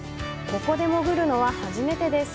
ここで潜るのは初めてです！